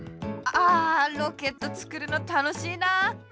あロケットつくるのたのしいな。